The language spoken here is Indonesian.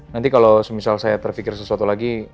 nanti kalau semisal saya terfikir sesuatu lagi